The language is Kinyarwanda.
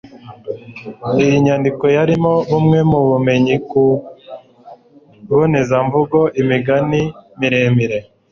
iyi nyandiko yarimo bumwe mu bumenyi ku kibonezamvugo, imigani miremire